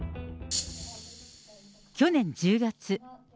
去年１０月。